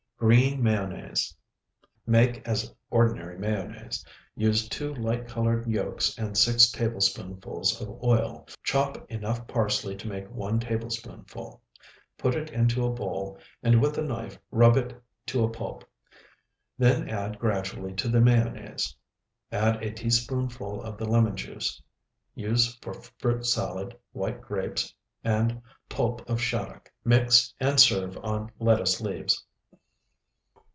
GREEN MAYONNAISE Make as ordinary mayonnaise. Use two light colored yolks and six tablespoonfuls of oil. Chop enough parsley to make one tablespoonful; put it into a bowl, and with a knife rub it to a pulp. Then add gradually to the mayonnaise. Add a teaspoonful of the lemon juice. Use for fruit salad, white grapes, and pulp of shaddock. Mix, and serve on lettuce leaves.